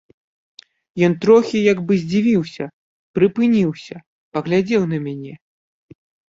Ён трохі як бы здзівіўся, прыпыніўся, паглядзеў на мяне.